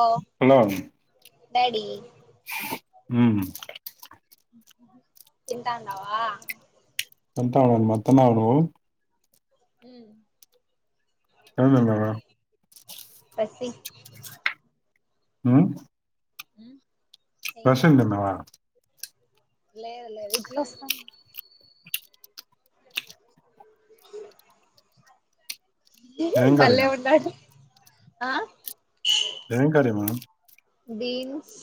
ఓ hello daddy ఉహు తింటాన్నావా అంటా మొత్తమే అను అ [unintelligible] ప్రసి ఉ ఉమ్ ప్రసన్న లేదు లేదు ఇట్లా ఏం కర్రీ బల్లె ఉన్నాడు ఆ ఏం కారేమా బీన్స్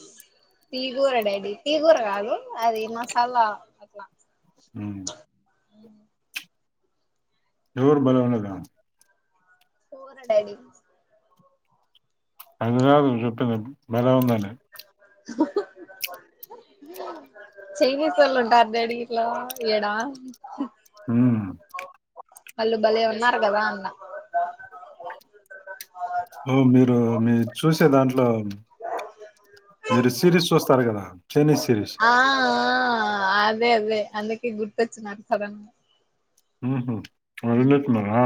తీగూర డాడీ తీగూర కాదు అది మసాలా ఉ రోడ్డు బలే ఉన్నది పోరా డాడి అనురాదు చుట్టనే మలవందనే చైనీస్ వాళ్ళు ఉంటారు డాడి ఇలా ఈడా ఉ అల్లు భలే ఉన్నార్గదా అన్న ఓ మీరు మీ చూసే దాంట్లో మీరు సిరీస్ చూస్తారు కదా చైనీస్ సిరీస్ ఆ ఆ అదే అదే అందుకే గుర్తొచ్చినారు సడెన్ గా ఉ అ విన్నతున్నారా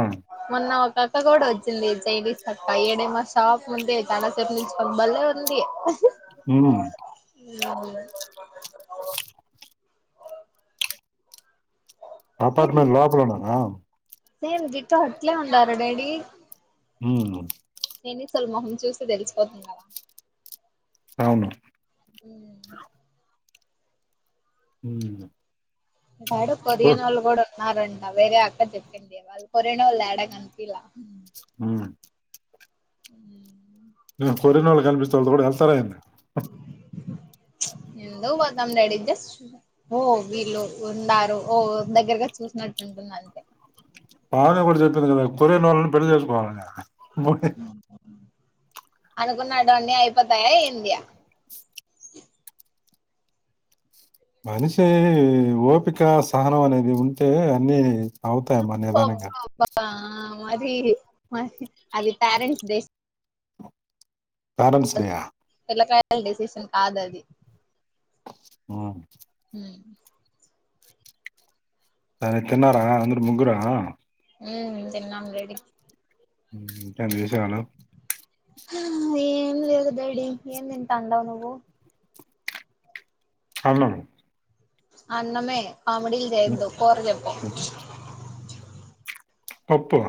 పక్క కూడా వచ్చింది చైనీస్ పక్కా ఈడే మా షాప్ ముందే చాలాసేపు నుంచి కొబ్బలే ఉంది ఉమ్ ఉ సేమ్ అపార్ట్మెంట్ లోపలున్నారా సేమ్ దిటు అట్లే ఉండాలే డేడి ఉమ్ నేనుసలు మొహం చూస్తే తెలిసిపోతది కదా అవును హ ఉమ్ బాడు ఓ కొరియన్ వాళ్ళు గుడా న్నారన్న వేరే అక్క చెప్పింది వాళ్ళు కొరియన్నోళ్లు ఏడా కనిపియ లేదు ఆ ఉ కోరియానోళ్లు కనిపిస్తే వాళ్ళతో పాటు కూడా ఎళ్తారా ఏంది ఎందు వదం రెడి జస్ట్ ఓ వీళ్ళు ఉన్నారు ఓ దగ్గరగా చూసినట్టు అంతేనా పానే కూడా చెప్పింది కదా కొరియనోళ్ళని పెళ్లి చేసుకోవాలని అనుకున్నాడ అన్నీ అయిపోతాయా ఏంది మనిషి ఓపిక సహనం అనేది ఉంటే అన్ని అవుతాయమ్మా నిదానంగా ఆ మరి మరి అది ప్యారెంట్స్ డే ప్యరంట్స్ డేయా ల్ డెసిషన్ కాద్ అది ఉమ్ హ్మ్ తరే తిన్నారా అందరు ముగ్గురా ఆ ఉమ్ తిన్నాం రెడి ఉమ్ కెన్ ఏశేయాలా హా ఏమ్ లేదు డాడీ ఏన్ దింటండవ్ నువ్వు ఔనా అన్నమే కామిడిలు జెయొద్దు కూరజెప్పు హ్మ్. పప్పు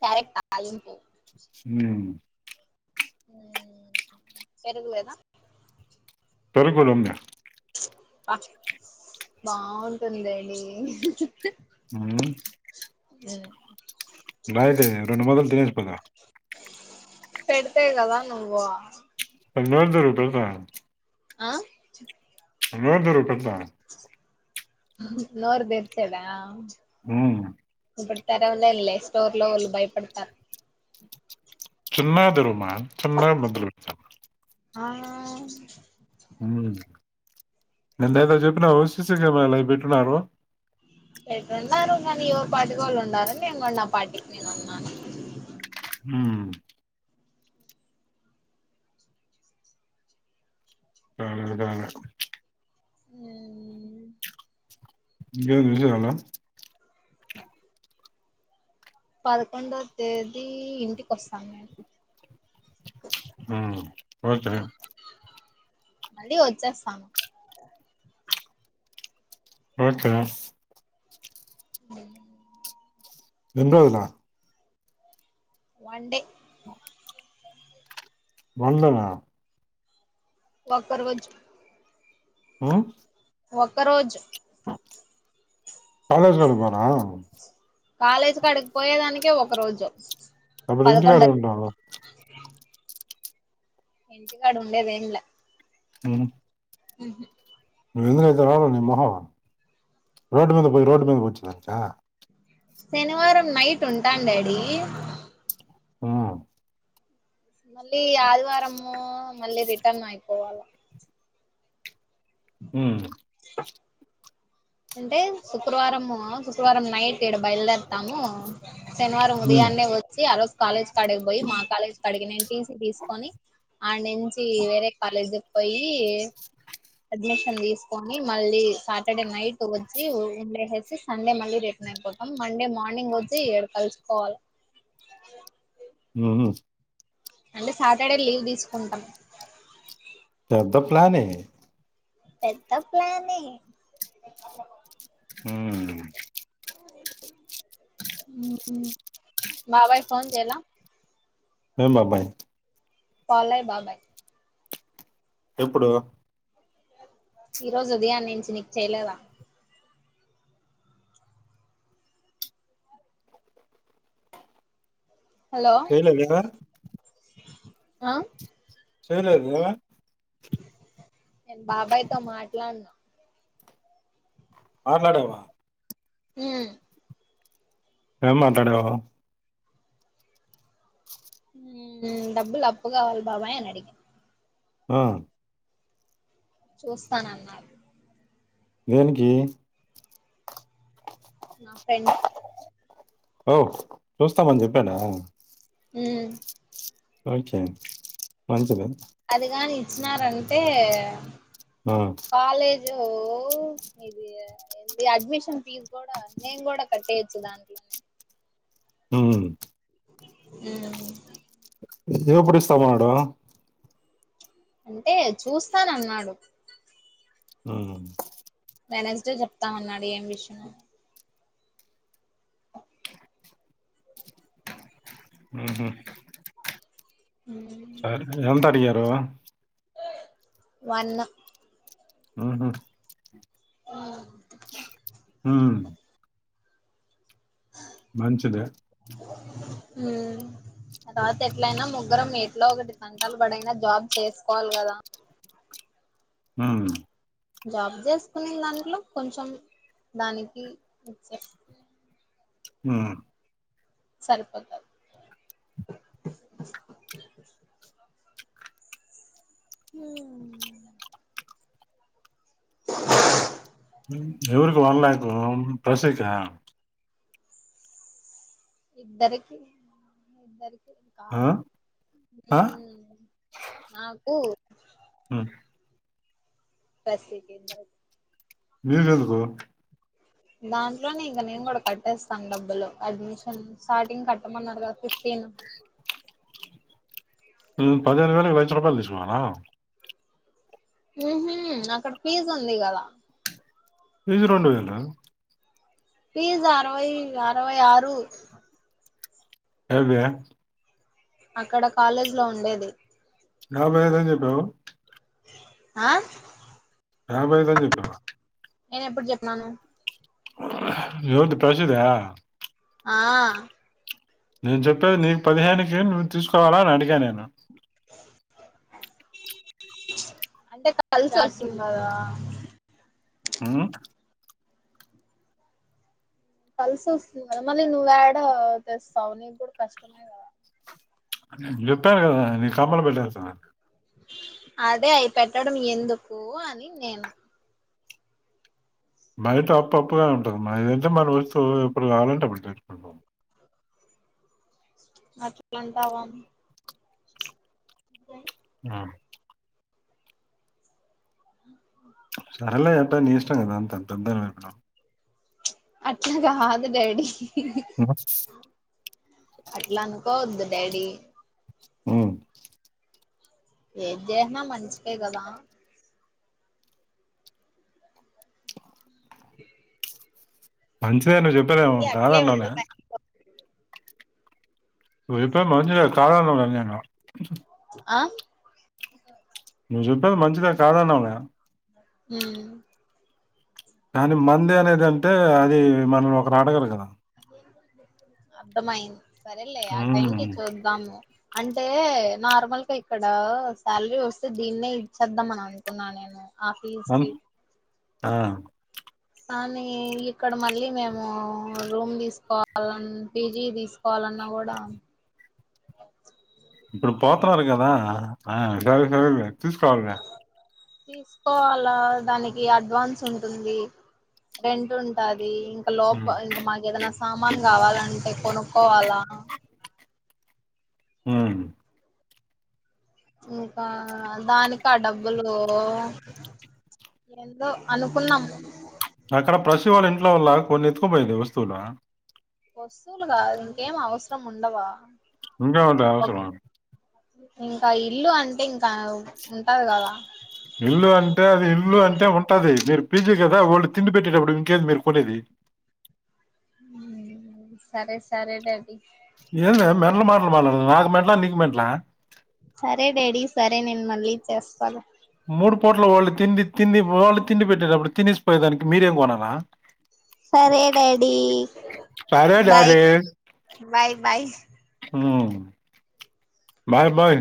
క్యారే ఆ ఆ అల్వీటి ఉమ్ పెరుగులేదా పెరుగులుంద్య బా బాఉంటుంది డాడీ హ్ ఉమ్ ఆ బాయ్ దే రొండు ముద్దలు తినేస్ పొదువ్ పెడితే గదా నువ్వ నోర్ దెరువు పెడతా ఆ ప్చ్ నోర్ దెరువు పెడతా హ్ నోర్ దేరిసేదా ఉమ్ తెరవాలేన్ లే స్టోర్ లోళ్ళు భయపడతార్ చిన్నా దేరుమా చీన్నా ముద్దల్ పెడుతా ఆ ఉమ్ నిన్న ఏదో జేప్పినావ్ సీసీకెమలో ఐబెట్టునారు పెట్టునారు గానీ ఎవృ పాటికో వోళ్ళు ఉన్నారు నేన్ గుడా నా పాటీకి నేన్ ఉన్నాను ఉమ్ గాదు గనే ఉమ్ ఇంగేంది విషయాలు పదకొండో తేదీ ఇంటికోస్తన్ నేన్ పోతే మళ్ళీ ఓచ్చేస్తాను ఓకే ఉమ్ రొండ్రోజుల వన్ డే అ వందనా వక్క రోజ్ ఓ ఒక్కరోజు కాలేజ్ వెళ్లు పోనా కాలేజ్ కాడికిపోయేదానికే ఒక రోజు అప్పుడు ఇంటికాడ పదకొండ ఉంటాము ఇంటికాడ ఉండేద ఏంలా ఉహు ఉహు నువ్వు ఎందుకైతే రావో నీ మొహం రోడ్డు మీద పోయి రోడ్డు మీద వచ్చినాక శనివారం నైట్ ఉంటాను డాడీ ఆ మళ్ళీ ఆదివారము మళ్ళీ రిటర్న్ అయిపోవాల ఊ అంటే శుక్రవారము శుక్రవారం నై ఈడ బయలుదేరతాము శనివారం హ్మ్. ఉదయాన్నే వచ్చి ఆరోజు కాలేజ్ కడిగిపోయి మా కాలేజ్ కడిగి నేను టీసీ తీసుకొని ఆడ్ నుంచి వేరే కాలేజ్ పోయి అడ్మిషన్ తీసుకొని మళ్ళీ సాటర్డే నైట్ వచ్చి ఉండేహెసి సండే మళ్ళీ రి నయిపోతం మండే మార్నింగ్ వచ్చి ఏడు కలుసుకోవాలి నుహు అంటే సాటర్డే లీవ్ తీసుకుంటాం. పెద్ద ప్లానే పెద్ద ప్లానే ఉహ్హు ఆ మాబాయి ఫోన్ చేలా ఏం బబాయ్ పాలయ్ బాబాయ్ ఎప్పుడు ఈరోజు ఉదయా నుంచి నీకు చేయలేదా? హలో చేయలేదా ఆ చేయలేదా నేను బాబాయ్తో మాట్లాడను ఆ మేడమా? మ్ ఏం మాట్లాడవా? మ్ డబ్బులు అప్పు కావాలి బాబాయ్ అని అడిగే ఆ చూస్తాన అన్నారు దేనికి నా ఫ్రెండ్స్ ఓ చూస్తామని చెప్పానా మ్ ఓకే మంచిది అదిగాని ఇచ్చినారంటే ఆ ఈ అడ్మిషన్ ఫీజ్ కూడా నేను కూడా కట్టేయొచ్చు దాంట్లోనే ఉహు ఉ ఇచ్చినప్పుడు ఇస్తావా [unintelligible] అంటే చూస్తానన్నాడు హ వెండ్స్ డే చెప్తామన్నాడు ఏం విషయ ఉహు హ్మ్, సరే ఎంత అడిగారు వన్న ఆహ ఆ ఆ మంచిదె ఉ ఆ తర్వాత ఎట్లయినా ముగ్గురం ఎట్లో ఒకటి తంటాలు పడయినా జాబ్ చేసుకోవాలి కదా ఆవును జాబ్ చేసుకునే దాంట్లో కొంచెం దానికి ఇచ్చే ఆ సరిపోతాది హుమ్ బస్ ఎక్క ఇద్దరికి ఇద్దరికి ఆ! కాదు ఊ ఆ! నాకు ఆ పసి కేంద్రం నీకేందుకు దాంట్లోనే ఇంక నేను కూడా కట్టేస్ డబ్బులు అడ్మిషన్ స్టార్టింగ్ కట్టమన్నారు కదా ఫిఫ్టీన్ పదిహేను వేలకు లక్షం రూపాయలు తీసుకున్నావ ఉహ అక్కడ ఫీజ్ ఉంది కదా ఇది రెండు వేలనా ఫీజ్ అరవై అరవై ఆరు ఎది అక్కడ కాలేజ్ లో ఉండేది అని చెప్పావు. ఆ రాభోయదని చెప్పావా నేను ఎప్పుడు చెప్పినాను ఎవరిది ప్రసద ఆ నేను చెప్పేది నీకు పదిహేనికి నువ్వు తీసుకోవాలా అని అడిగా నేను అంటే కలిసి వస్తుంది కదా ఉ కలిసి వస్తుంది కదా మళ్ళీ నువ్వు ఏడ తెస్తావు నీకు కూడా కష్టమే కదా నే జెప్పాను కదా నేను కమ్మలు పెట్టేస్తానును అదే అవి పెట్టడం ఎందుకు అని నేను బైట అప్పు అప్గా ఉంటుంది మనిదయితే మనం వస్తు ఎప్పుడు కావాలంటే అప్పుడు తెచ్చుకుంటాం అట్లుంటావా ఆ అ నల్ ఏంటా న ఇష్టంగా అదా అంత అంటాడడం అట్లాగాదు డాడి అ అట్లా అనుకోవద్దు డాడీ అ ఏది జేసిన మనించికే కదా మంచిదే నువ్వు చెప్పదేమ అది అట్లే కాదన్నావునే ఉండులే నువ్వు చెప్పేది మంచిదే కాదనలేదు నేను ఆ నువ్వు చెప్పేది మంచిద కాదన్నావులే హు కానీ మంది అనేది అంటే అది మనం ఒకరు ఆడగరు కదా అర్థమయింది సరేలే ఆ టైం కి ఉమ్. చూద్దాము అంటే నార్మల్గా ఇక్కడ శాలరీ వస్తే దీన్నే ఇచ్చేద్దాం అని అనుకున్నా నేను ఆఫిస్కి అన్- ఆ, కానీ ఇక్కడ మళ్ళీ మేము రూమ్ తీసుకోవాలన్ పిజి తీస్ కోలన్నా కూడా ఇప్పుడు పోతారు కదా ఆ సరే సరే తీసుకోవాలి తీసుకోవాలా దానికి అడ్వాన్స్ ఉంటుంది రెంట్ ఉంటది ది ఇంకా ఉమ్, లోప ఇంక మాకు ఏదనా సామాన్ కావాలంటే కొనుక్కోవాలా ఉ ఇంకా దానికి ఆ డబ్బులు ఏందో అనుకున్నాం అక్కడ ప్రసీ వాళ్ళ ఇంట్లో వల్ల కొన్ని ఎత్తుకుపోయింది వస్తువులు వస్తువులుగా ఇంకేం అవసరం ఉండవా ఇంకేమట అవసరము ఇంక ఇల్లు అంటే ఇంకా ఉంటాది కదా ఇల్లు అంటే అది ఇల్లు అంటే ఉంటాది మీరు పిజీ కదా వాళ్ళు తిండి పెట్టేటప్పుడు ఇంకేం మీరు కొనేది సరే సరేలేండి ఏ మె మెంటల్ మాట్ల మాట్లాడుతున్నావ్ నాకు మెంట్లా నీకు మంట్లా సరే డాడీ సరే నేను మళ్ళీ చేస్తాను మూడు పూట్ల వాళ్ళు తిండి తిం వాళ్ళు తిండి పెట్టేటప్పుడు తినేసి పోయేదానికి మీరేం కొనాల సరే డాడీ సరే బాయ్ డాడీ బాయ్ బాయ్ ఉమ్. Bye buy